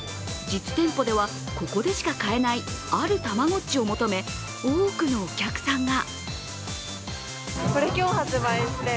実店舗では、ここでしか買えないあるたまごっちを求め多くのお客さんが。